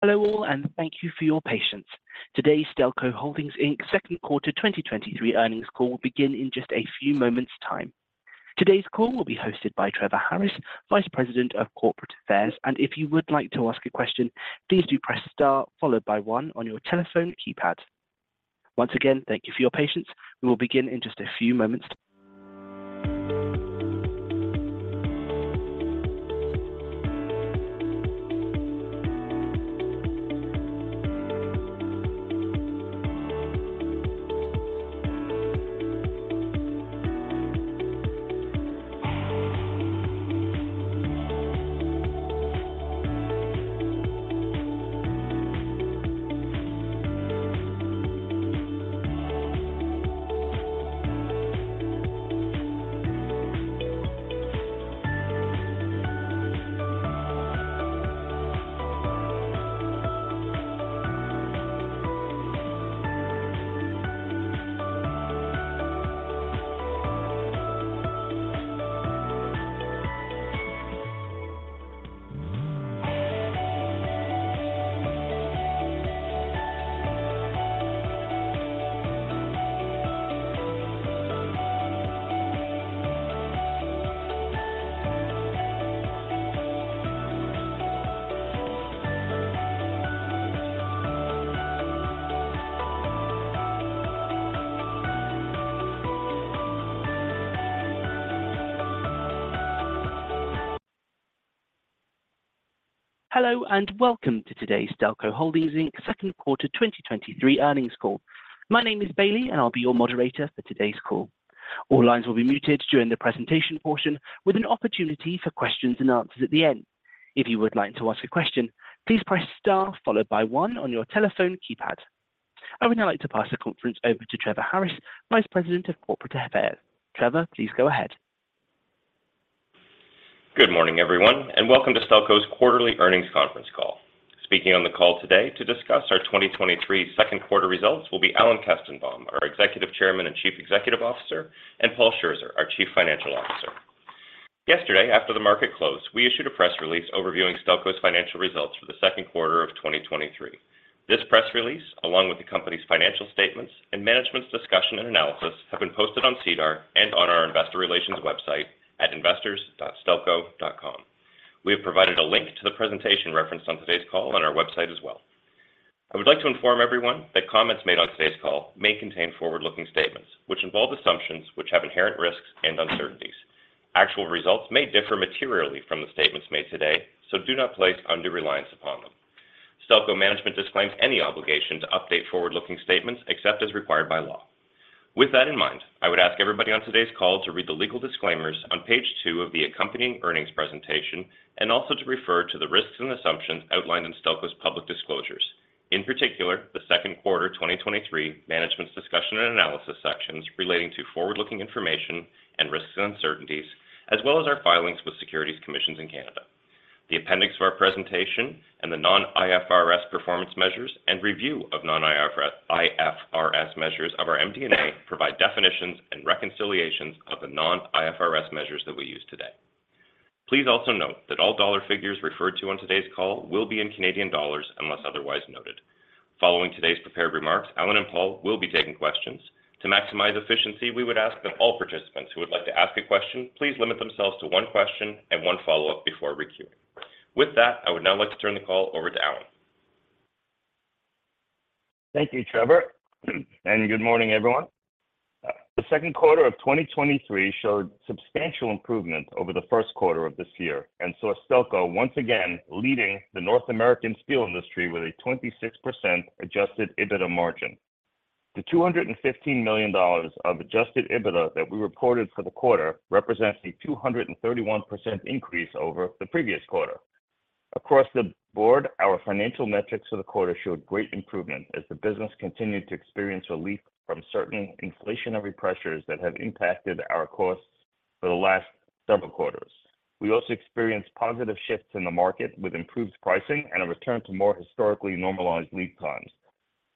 Hello all. Thank you for your patience. Today's Stelco Holdings Inc.'s second quarter 2023 earnings call will begin in just a few moments time. Today's call will be hosted by Trevor Harris, Vice President of Corporate Affairs. If you would like to ask a question, please do press star followed by one on your telephone keypad. Once again, thank you for your patience. We will begin in just a few moments. Hello. Welcome to today's Stelco Holdings Inc.'s second quarter 2023 earnings call. My name is Bailey. I'll be your moderator for today's call. All lines will be muted during the presentation portion, with an opportunity for questions and answers at the end. If you would like to ask a question, please press star followed by one on your telephone keypad. I would now like to pass the conference over to Trevor Harris, Vice President of Corporate Affairs. Trevor, please go ahead. Good morning, everyone. Welcome to Stelco's quarterly earnings conference call. Speaking on the call today to discuss our 2023 second quarter results will be Alan Kestenbaum, our Executive Chairman and Chief Executive Officer, and Paul Scherzer, our Chief Financial Officer. Yesterday, after the market closed, we issued a press release overviewing Stelco's financial results for the second quarter of 2023. This press release, along with the company's financial statements and management's discussion and analysis, have been posted on SEDAR and on our Investor Relations website at investors.stelco.com. We have provided a link to the presentation referenced on today's call on our website as well. I would like to inform everyone that comments made on today's call may contain forward-looking statements, which involve assumptions which have inherent risks and uncertainties. Actual results may differ materially from the statements made today. Do not place undue reliance upon them. Stelco management disclaims any obligation to update forward-looking statements except as required by law. With that in mind, I would ask everybody on today's call to read the legal disclaimers on page two of the accompanying earnings presentation, and also to refer to the risks and assumptions outlined in Stelco's public disclosures. In particular, the second quarter 2023 Management's Discussion and Analysis sections relating to forward-looking information and risks and uncertainties, as well as our filings with Securities Commissions in Canada. The appendix of our presentation and the non-IFRS performance measures and review of non-IFRS, IFRS measures of our MD&A provide definitions and reconciliations of the non-IFRS measures that we use today. Please also note that all dollar figures referred to on today's call will be in Canadian dollars, unless otherwise noted. Following today's prepared remarks, Alan and Paul will be taking questions. To maximize efficiency, we would ask that all participants who would like to ask a question, please limit themselves to one question and one follow-up before requeuing. With that, I would now like to turn the call over to Alan. Thank you, Trevor. Good morning, everyone. The second quarter of 2023 showed substantial improvement over the first quarter of this year and saw Stelco once again leading the North American steel industry with a 26% Adjusted EBITDA margin. The 215 million dollars of Adjusted EBITDA that we reported for the quarter represents a 231% increase over the previous quarter. Across the board, our financial metrics for the quarter showed great improvement as the business continued to experience relief from certain inflationary pressures that have impacted our costs for the last several quarters. We also experienced positive shifts in the market, with improved pricing and a return to more historically normalized lead times.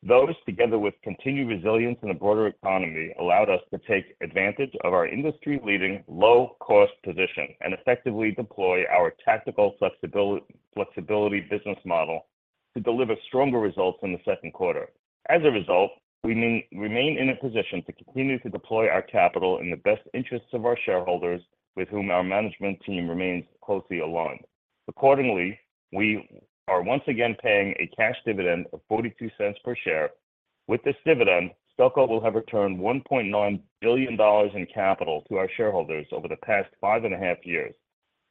Those, together with continued resilience in the broader economy, allowed us to take advantage of our industry-leading low-cost position and effectively deploy our tactical flexibility business model to deliver stronger results in the second quarter. As a result, we remain in a position to continue to deploy our capital in the best interests of our shareholders, with whom our management team remains closely aligned. Accordingly, we are once again paying a cash dividend of $0.42 per share. With this dividend, Stelco will have returned $1.9 billion in capital to our shareholders over the past 5.5 years.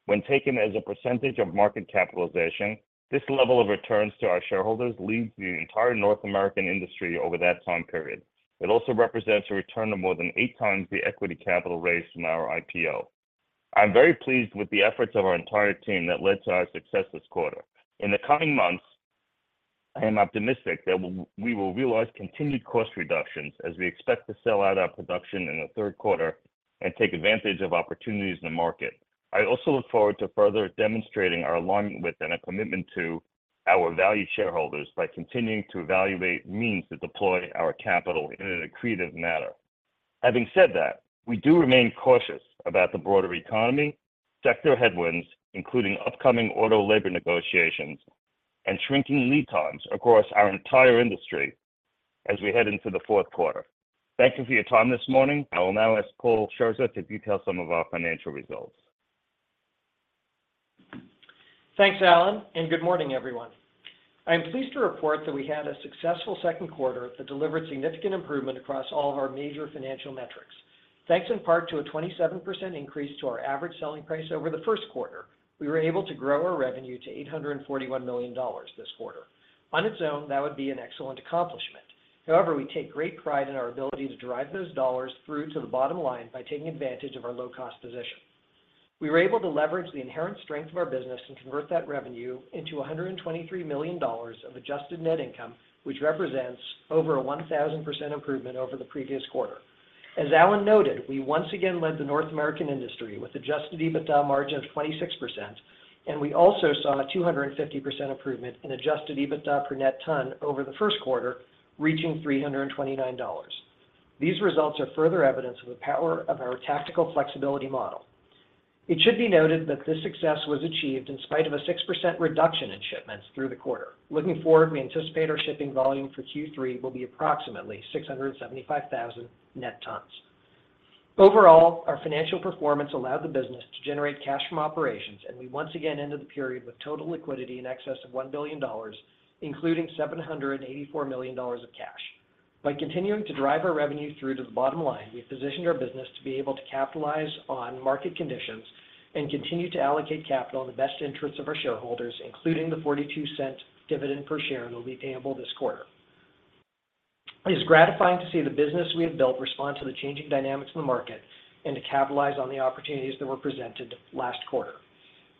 When taken as a percentage of market capitalization, this level of returns to our shareholders leads the entire North American industry over that time period. It also represents a return to more than eight times the equity capital raised from our IPO. I'm very pleased with the efforts of our entire team that led to our success this quarter. In the coming months, I am optimistic that we will realize continued cost reductions as we expect to sell out our production in the third quarter and take advantage of opportunities in the market. I also look forward to further demonstrating our alignment with and a commitment to our valued shareholders by continuing to evaluate means to deploy our capital in an accretive manner. Having said that, we do remain cautious about the broader economy, sector headwinds, including upcoming auto labor negotiations and shrinking lead times across our entire industry as we head into the fourth quarter. Thank you for your time this morning. I will now ask Paul Scherzer to detail some of our financial results. Thanks, Alan, good morning, everyone. I am pleased to report that we had a successful second quarter that delivered significant improvement across all of our major financial metrics. Thanks in part to a 27% increase to our average selling price over the first quarter, we were able to grow our revenue to $841 million this quarter. On its own, that would be an excellent accomplishment. However, we take great pride in our ability to drive those dollars through to the bottom line by taking advantage of our low-cost position. We were able to leverage the inherent strength of our business and convert that revenue into $123 million of Adjusted Net Income, which represents over a 1,000% improvement over the previous quarter. As Alan noted, we once again led the North American industry with Adjusted EBITDA margin of 26%, and we also saw a 250% improvement in Adjusted EBITDA per net ton over the first quarter, reaching $329. These results are further evidence of the power of our tactical flexibility model. It should be noted that this success was achieved in spite of a 6% reduction in shipments through the quarter. Looking forward, we anticipate our shipping volume for Q3 will be approximately 675,000 net tons. Overall, our financial performance allowed the business to generate cash from operations, and we once again ended the period with total liquidity in excess of $1 billion, including $784 million of cash. By continuing to drive our revenue through to the bottom line, we've positioned our business to be able to capitalize on market conditions and continue to allocate capital in the best interest of our shareholders, including the $0.42 dividend per share that will be payable this quarter. It is gratifying to see the business we have built respond to the changing dynamics in the market and to capitalize on the opportunities that were presented last quarter.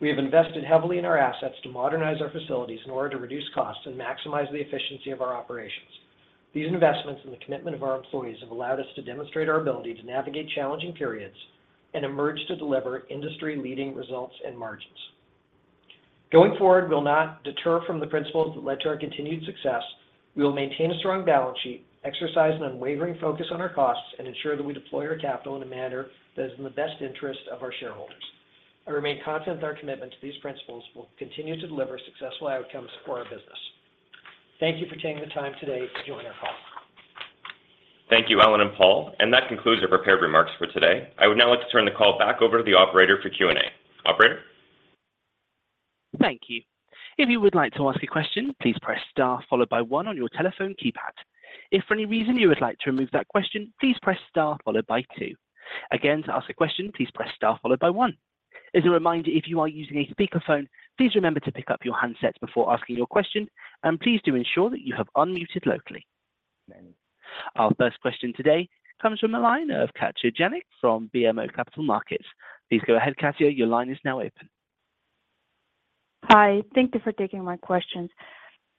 We have invested heavily in our assets to modernize our facilities in order to reduce costs and maximize the efficiency of our operations. These investments and the commitment of our employees have allowed us to demonstrate our ability to navigate challenging periods and emerge to deliver industry-leading results and margins. Going forward, we'll not deter from the principles that led to our continued success. We will maintain a strong balance sheet, exercise an unwavering focus on our costs, and ensure that we deploy our capital in a manner that is in the best interest of our shareholders. I remain confident that our commitment to these principles will continue to deliver successful outcomes for our business. Thank you for taking the time today to join our call. Thank you, Alan and Paul. That concludes our prepared remarks for today. I would now like to turn the call back over to the operator for Q&A. Operator? Thank you. If you would like to ask a question, please press star followed by one on your telephone keypad. If for any reason you would like to remove that question, please press star followed by two. Again, to ask a question, please press star followed by one. As a reminder, if you are using a speakerphone, please remember to pick up your handsets before asking your question, and please do ensure that you have unmuted locally. Our first question today comes from the line of Katja Jancic from BMO Capital Markets. Please go ahead, Katja. Your line is now open. Hi, thank you for taking my questions.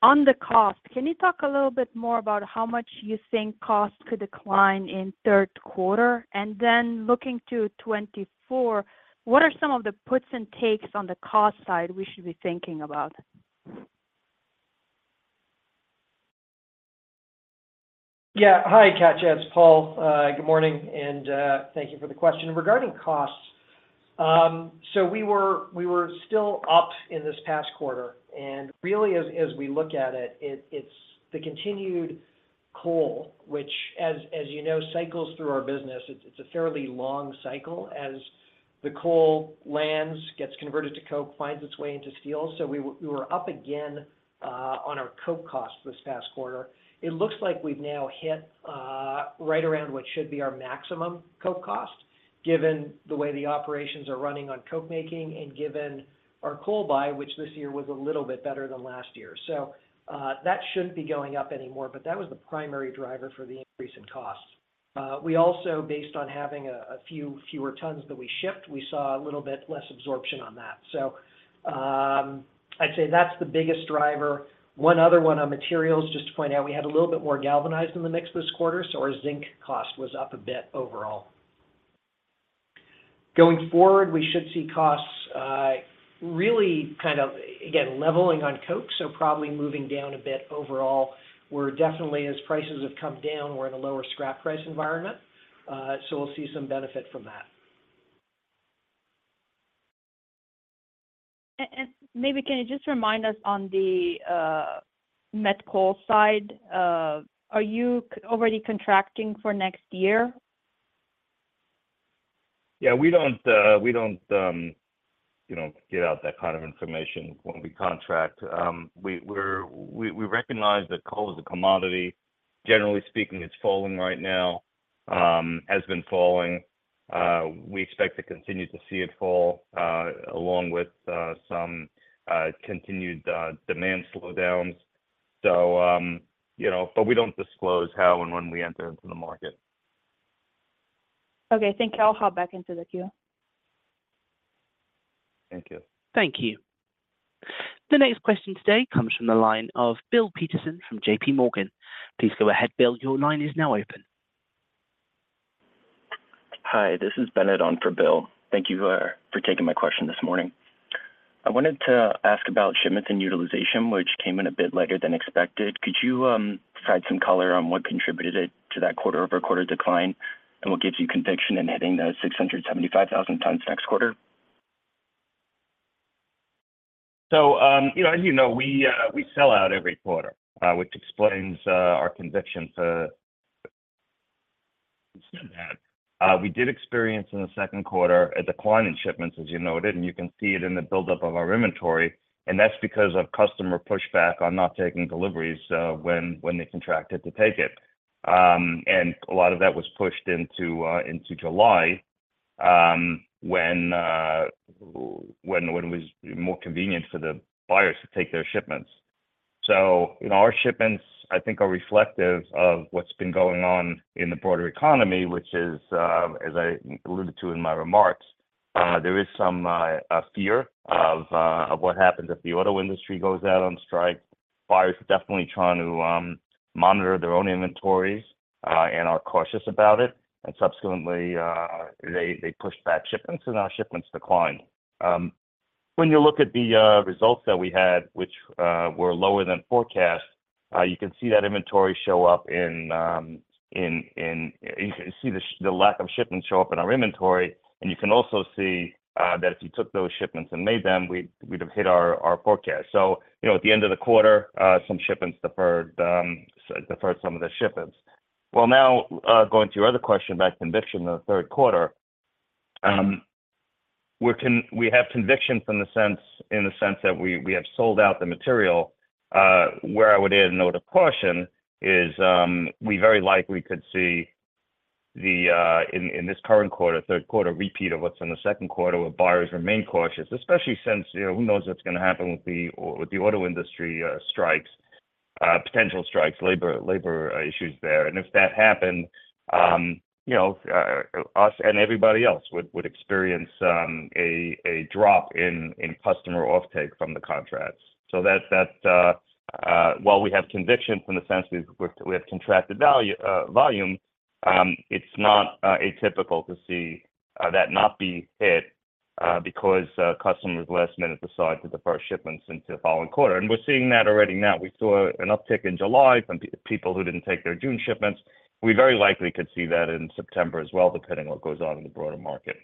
On the cost, can you talk a little bit more about how much you think costs could decline in third quarter? And then looking to 2024, what are some of the puts and takes on the cost side we should be thinking about? Yeah. Hi, Katja, it's Paul. Good morning, thank you for the question. Regarding costs, we were, we were still up in this past quarter, and really as, as we look at it, it-it's the continued coal, which as, as you know, cycles through our business. It's, it's a fairly long cycle as the coal lands, gets converted to coke, finds its way into steel. We were, we were up again on our coke cost this past quarter. It looks like we've now hit right around what should be our maximum coke cost, given the way the operations are running on coke making and given our coal buy, which this year was a little bit better than last year. That shouldn't be going up anymore, that was the primary driver for the increase in costs. We also, based on having a few fewer tons that we shipped, we saw a little bit less absorption on that. I'd say that's the biggest driver. One other one on materials, just to point out, we had a little bit more galvanized in the mix this quarter, so our zinc cost was up a bit overall. Going forward, we should see costs really kind of, again, leveling on coke, so probably moving down a bit overall. We're definitely, as prices have come down, we're in a lower scrap price environment, so we'll see some benefit from that. Maybe can you just remind us on the met coal side, are you already contracting for next year? Yeah, we don't, we don't, you know, give out that kind of information when we contract. We're, we, we recognize that coal is a commodity. Generally speaking, it's falling right now, has been falling. We expect to continue to see it fall, along with some continued demand slowdowns. You know, but we don't disclose how and when we enter into the market. Okay, thank you. I'll hop back into the queue. Thank you. Thank you. The next question today comes from the line of Bill Peterson from J.P. Morgan. Please go ahead, Bill. Your line is now open. Hi, this is Bennett on for Bill. Thank you for, for taking my question this morning. I wanted to ask about shipments and utilization, which came in a bit lighter than expected. Could you provide some color on what contributed it to that quarter-over-quarter decline, and what gives you conviction in hitting the 675,000 tons next quarter? You know, as you know, we, we sell out every quarter, which explains our conviction to said that. We did experience in the second quarter a decline in shipments, as you noted, and you can see it in the buildup of our inventory, and that's because of customer pushback on not taking deliveries, when, when they contracted to take it. A lot of that was pushed into, into July, when, when, when it was more convenient for the buyers to take their shipments. You know, our shipments, I think, are reflective of what's been going on in the broader economy, which is, as I alluded to in my remarks, there is some, fear of, of what happens if the auto industry goes out on strike. Buyers are definitely trying to monitor their own inventories and are cautious about it, and subsequently, they, they push back shipments, and our shipments decline. When you look at the results that we had, which were lower than forecast, you can see that inventory show up in, you can see the, the lack of shipments show up in our inventory, and you can also see that if you took those shipments and made them, we, we'd have hit our, our forecast. You know, at the end of the quarter, some shipments deferred, deferred some of the shipments. Well, now, going to your other question about conviction in the third quarter. We have conviction from the sense, in the sense that we, we have sold out the material. Where I would add a note of caution is, we very likely could see the, in this current quarter, third quarter, repeat of what's in the second quarter, where buyers remain cautious. Especially since, you know, who knows what's gonna happen with the auto industry, strikes, potential strikes, labor, labor issues there. If that happened, you know, us and everybody else would, would experience, a, a drop in, in customer offtake from the contracts. That, that, while we have conviction from the sense we've, we, we have contracted value, volume, it's not atypical to see, that not be hit, because, customers last minute decide to defer shipments into the following quarter, and we're seeing that already now. We saw an uptick in July from people who didn't take their June shipments. We very likely could see that in September as well, depending on what goes on in the broader market.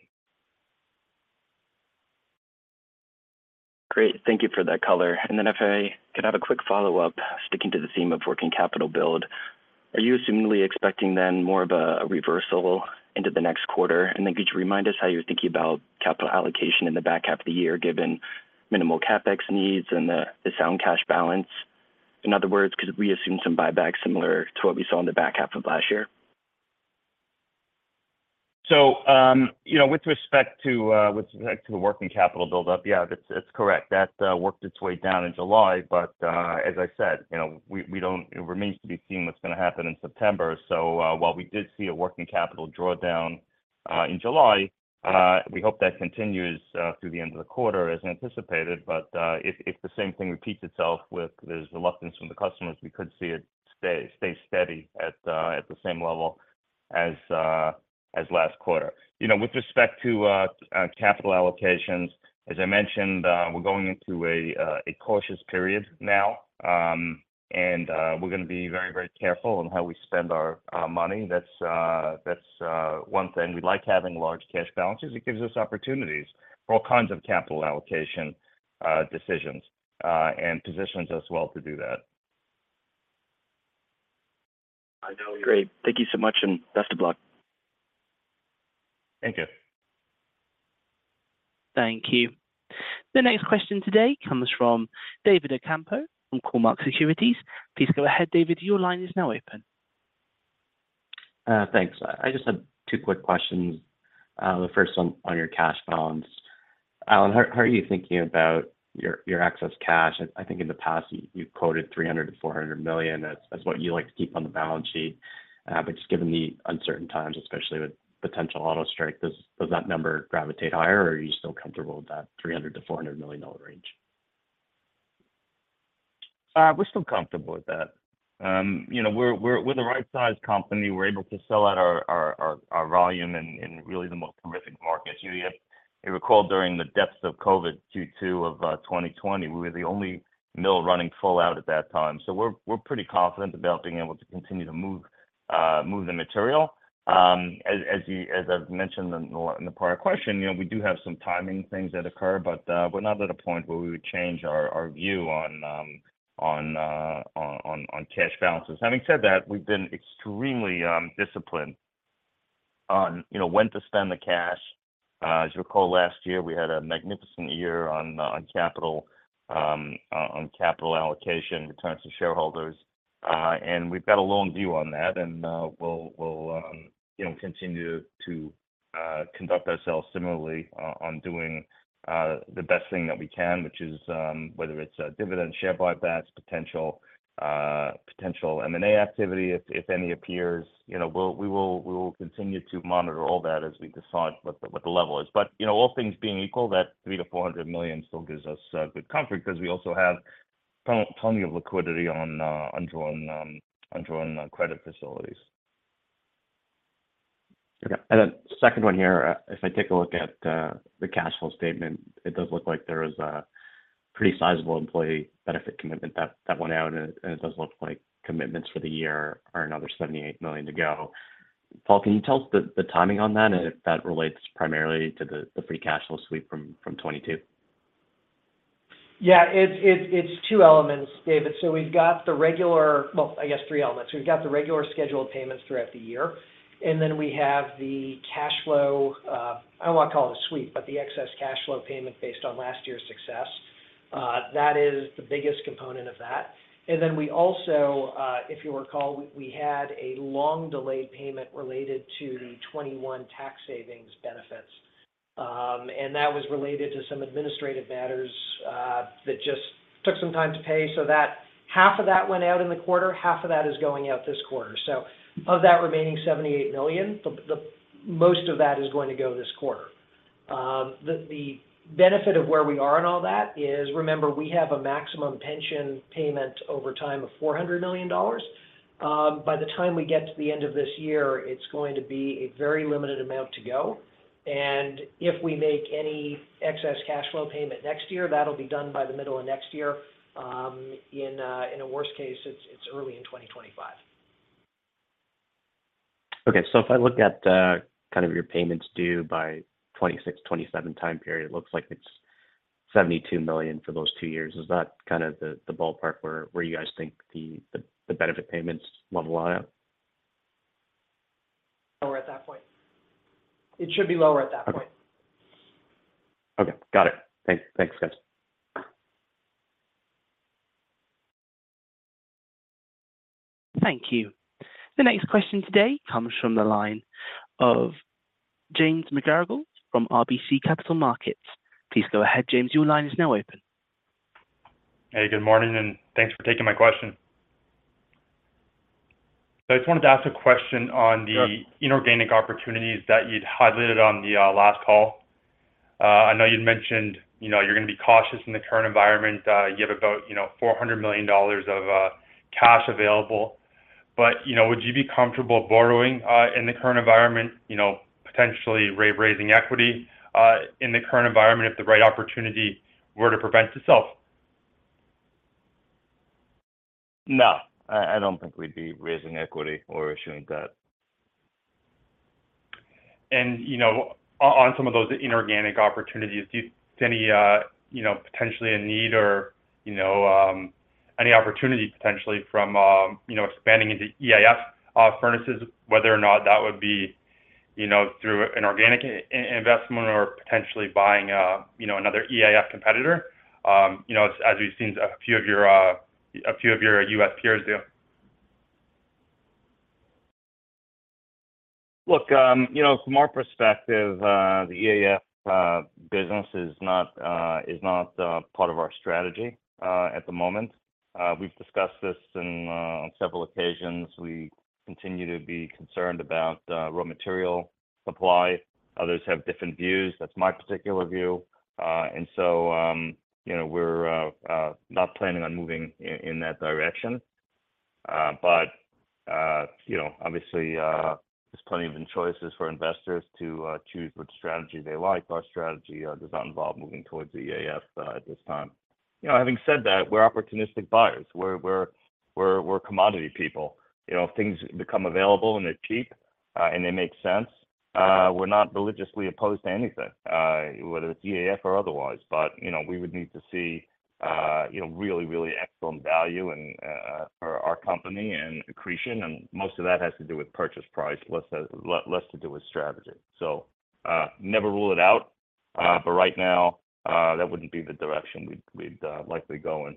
Great. Thank you for that color. If I could have a quick follow-up, sticking to the theme of working capital build. Are you assumedly expecting then more of a reversal into the next quarter? Could you remind us how you're thinking about capital allocation in the back half of the year, given minimal CapEx needs and the sound cash balance? In other words, could we assume some buybacks similar to what we saw in the back half of last year? You know, with respect to, with respect to the working capital build-up, yeah, that's, that's correct. That worked its way down in July. As I said, you know, we don't. It remains to be seen what's gonna happen in September. While we did see a working capital drawdown, in July, we hope that continues through the end of the quarter as anticipated. If, if the same thing repeats itself with this reluctance from the customers, we could see it stay, stay steady at, at the same level as, as last quarter. You know, with respect to, capital allocations, as I mentioned, we're going into a, a cautious period now, and we're gonna be very, very careful on how we spend our, money. That's, that's one thing. We like having large cash balances. It gives us opportunities for all kinds of capital allocation, decisions, and positions us well to do that. Great. Thank you so much, and best of luck. Thank you. Thank you. The next question today comes from David Ocampo, from Cormark Securities. Please go ahead, David, your line is now open. Thanks. I just have two quick questions. The first one on your cash balance. Alan, how, how are you thinking about your, your excess cash? I think in the past, you, you've quoted $300 million-$400 million as, as what you like to keep on the balance sheet. Just given the uncertain times, especially with potential auto strike, does, does that number gravitate higher, or are you still comfortable with that $300 million-$400 million range? We're still comfortable with that. You know, we're, we're, we're the right size company. We're able to sell out our, our, our, our volume in, in really the most horrific markets. You recall during the depths of COVID Q2 of 2020, we were the only mill running full out at that time. We're, we're pretty confident about being able to continue to move, move the material. As I've mentioned in the, in the prior question, you know, we do have some timing things that occur, but we're not at a point where we would change our, our view on, on, on, on cash balances. Having said that, we've been extremely disciplined on, you know, when to spend the cash. As you recall, last year we had a magnificent year on capital, on capital allocation, returns to shareholders, and we've got a long view on that, and we'll, we'll, you know, continue to conduct ourselves similarly on doing the best thing that we can, which is whether it's dividend share buybacks, potential M&A activity, if any appears, you know, we will, we will continue to monitor all that as we decide what the, what the level is. You know, all things being equal, that $300 million-$400 million still gives us good comfort because we also have plenty of liquidity on undrawn, undrawn credit facilities. Okay, second one here, if I take a look at the cash flow statement, it does look like there is a pretty sizable employee benefit commitment that went out, and it does look like commitments for the year are another 78 million to go. Paul, can you tell us the timing on that, and if that relates primarily to the free cash flow sweep from 2022? Yeah, it's, it's, it's two elements, David. We've got the regular... Well, I guess three elements. We've got the regular scheduled payments throughout the year, and then we have the cash flow, I don't want to call it a sweep, but the excess cash flow payment based on last year's success. That is the biggest component of that. Then we also, if you recall, we, we had a long delayed payment related to the 2021 tax savings benefits. That was related to some administrative matters, that just took some time to pay. That half of that went out in the quarter, half of that is going out this quarter. Of that remaining 78 million, the, the most of that is going to go this quarter. The, the benefit of where we are in all that is, remember, we have a maximum pension payment over time of $400 million. By the time we get to the end of this year, it's going to be a very limited amount to go, and if we make any excess cash flow payment next year, that'll be done by the middle of next year. In, in a worst case, it's, it's early in 2025. Okay. If I look at, kind of your payments due by 2026-2027 time period, it looks like it's 72 million for those two years. Is that kind of the, the ballpark where, where you guys think the, the, the benefit payments level out? At that point. It should be lower at that point. Okay. Got it. Thanks. Thanks, guys. Thank you. The next question today comes from the line of James McGarragle from RBC Capital Markets. Please go ahead, James. Your line is now open. Hey, good morning, thanks for taking my question. I just wanted to ask a question on the inorganic opportunities that you'd highlighted on the last call. I know you'd mentioned, you know, you're gonna be cautious in the current environment. You have about, you know, $400 million of cash available. You know, would you be comfortable borrowing in the current environment, you know, potentially raising equity in the current environment, if the right opportunity were to present itself? No. I, I don't think we'd be raising equity or issuing debt. You know, on some of those inorganic opportunities, do you any, you know, potentially a need or, you know, any opportunity potentially from, you know, expanding into EAF furnaces, whether or not that would be, you know, through an organic investment or potentially buying, you know, another EAF competitor? You know, as we've seen a few of your, a few of your U.S. peers do. Look, you know, from our perspective, the EAF business is not, is not, part of our strategy at the moment. We've discussed this in on several occasions. We continue to be concerned about raw material supply. Others have different views. That's my particular view. You know, we're not planning on moving in that direction. You know, obviously, there's plenty of choices for investors to choose which strategy they like. Our strategy does not involve moving towards EAF at this time. You know, having said that, we're opportunistic buyers. We're, we're, we're, we're commodity people. You know, if things become available and they're cheap, and they make sense, we're not religiously opposed to anything, whether it's EAF or otherwise. You know, we would need to see, you know, really, really excellent value and for our company and accretion, and most of that has to do with purchase price, less less to do with strategy. Never rule it out, but right now, that wouldn't be the direction we'd, we'd, likely go in.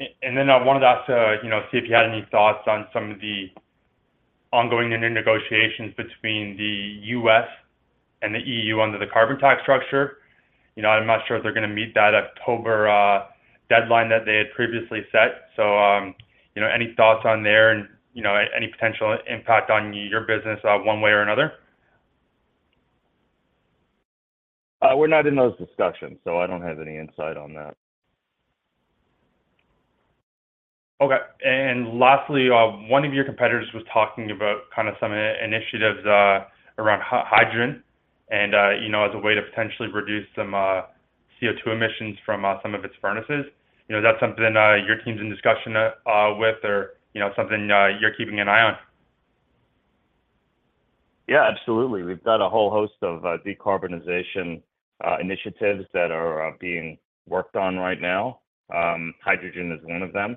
I wanted to ask, you know, see if you had any thoughts on some of the ongoing ongoing negotiations between the U.S. and the E.U. under the carbon tax structure. You know, I'm not sure if they're gonna meet that October deadline that they had previously set. You know, any thoughts on there and, you know, any potential impact on your business, one way or another? We're not in those discussions, so I don't have any insight on that. Okay. Lastly, one of your competitors was talking about kind of some initiatives, around hydrogen and, you know, as a way to potentially reduce some CO₂ emissions from some of its furnaces. You know, is that something, your team's in discussion with or, you know, something, you're keeping an eye on? Yeah, absolutely. We've got a whole host of decarbonization initiatives that are being worked on right now. Hydrogen is one of them.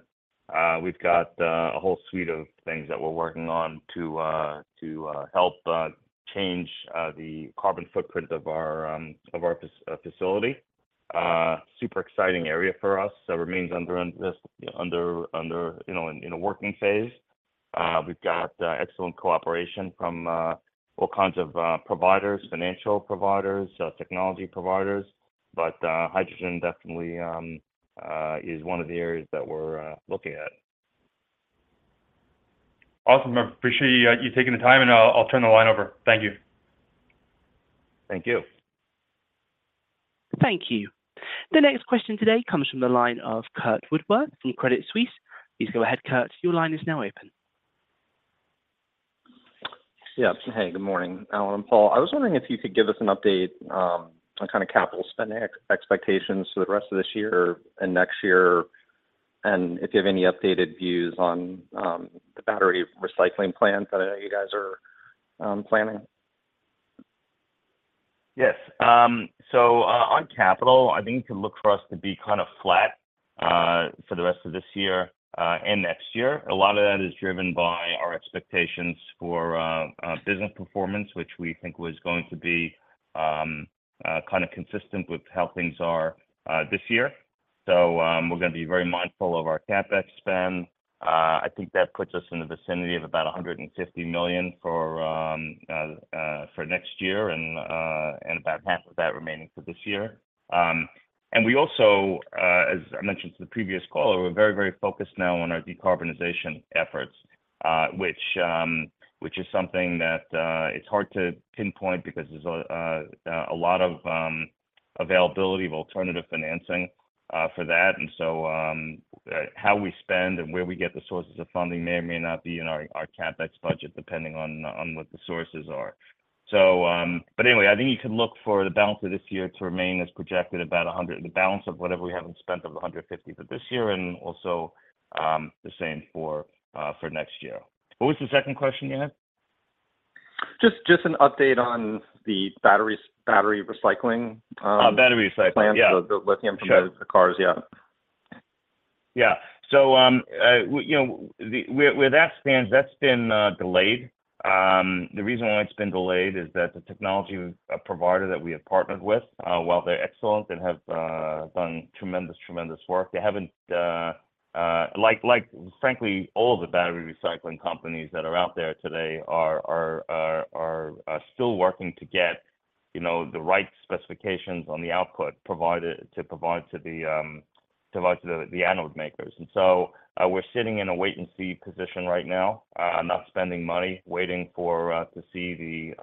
We've got a whole suite of things that we're working on to help change the carbon footprint of our facility. Super exciting area for us. That remains under, you know, in a working phase. We've got excellent cooperation from all kinds of providers, financial providers, technology providers. Hydrogen definitely is one of the areas that we're looking at. Awesome. I appreciate you taking the time. I'll turn the line over. Thank you. Thank you. Thank you. The next question today comes from the line of Curt Woodworth from Credit Suisse. Please go ahead, Curt. Your line is now open. Yeah. Hey, good morning, Alan and Paul. I was wondering if you could give us an update, on kind of capital spending expectations for the rest of this year and next year, and if you have any updated views on, the battery recycling plans that I know you guys are, planning? Yes. On capital, I think you can look for us to be kind of flat for the rest of this year and next year. A lot of that is driven by our expectations for business performance, which we think was going to be kind of consistent with how things are this year. We're gonna be very mindful of our CapEx spend. I think that puts us in the vicinity of about 150 million for next year and about CAD 75 million remaining for this year. We also, as I mentioned to the previous caller, we're very, very focused now on our decarbonization efforts, which is something that it's hard to pinpoint because there's a lot of availability of alternative financing for that. How we spend and where we get the sources of funding may or may not be in our CapEx budget, depending on what the sources are. Anyway, I think you can look for the balance of this year to remain as projected, about a hundred... The balance of whatever we haven't spent of the 150 for this year, the same for next year. What was the second question you had? Just, just an update on the battery recycling. Battery recycling. The lithium for the cars. Yeah. Yeah. So, you know, the, where, where that stands, that's been delayed. The reason why it's been delayed is that the technology provider that we have partnered with, while they're excellent and have done tremendous, tremendous work, they haven't. Like, like frankly, all of the battery recycling companies that are out there today are, are, are, are, are still working to get, you know, the right specifications on the output provided- to provide to the, provide to the, the anode makers. So, we're sitting in a wait-and-see position right now, not spending money, waiting for to see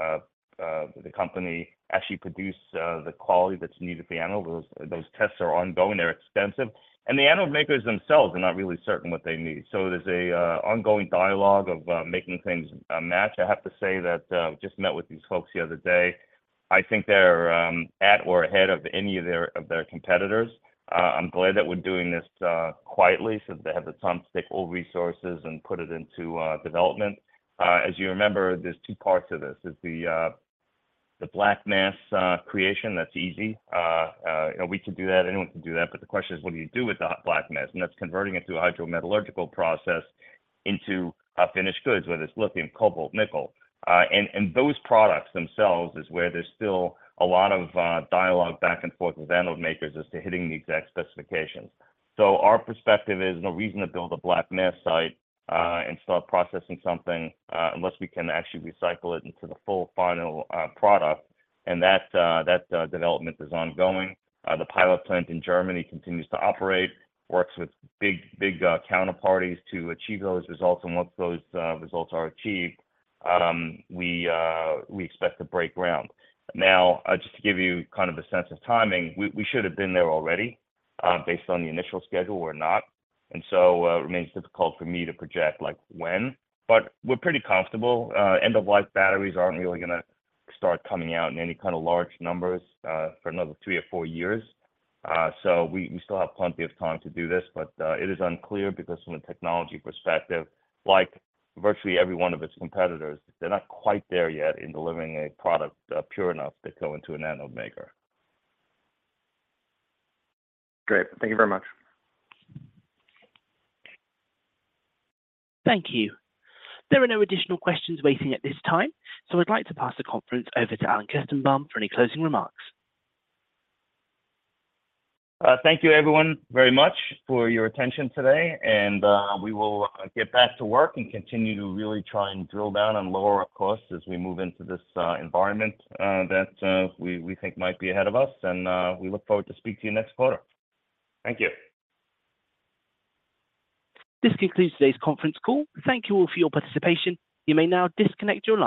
the company actually produce the quality that's needed for the anode. Those, those tests are ongoing, they're extensive, and the anode makers themselves are not really certain what they need. There's a ongoing dialogue of making things match. I have to say that, just met with these folks the other day. I think they're at or ahead of any of their, of their competitors. I'm glad that we're doing this quietly, so they have the time to take all resources and put it into development. As you remember, there's 2 parts of this. There's the black mass creation, that's easy. You know, we can do that. Anyone can do that. But the question is, what do you do with the black mass? And that's converting it through a hydrometallurgical process into finished goods, whether it's lithium, cobalt, nickel. And those products themselves is where there's still a lot of dialogue back and forth with anode makers as to hitting the exact specifications. Our perspective is no reason to build a black mass site and start processing something unless we can actually recycle it into the full final product, and that, that development is ongoing. The pilot plant in Germany continues to operate, works with big, big counterparties to achieve those results, and once those results are achieved, we expect to break ground. Now, just to give you kind of a sense of timing, we, we should have been there already, based on the initial schedule. We're not, so, it remains difficult for me to project, like, when, but we're pretty comfortable. End-of-life batteries aren't really gonna start coming out in any kind of large numbers for another three or four years. We, we still have plenty of time to do this, but it is unclear because from a technology perspective, like virtually every one of its competitors, they're not quite there yet in delivering a product pure enough to go into an anode maker. Great. Thank you very much. Thank you. There are no additional questions waiting at this time. I'd like to pass the conference over to Alan Kestenbaum for any closing remarks. Thank you everyone, very much, for your attention today, and we will get back to work and continue to really try and drill down and lower our costs as we move into this environment that we, we think might be ahead of us. We look forward to speak to you next quarter. Thank you. This concludes today's conference call. Thank you all for your participation. You may now disconnect.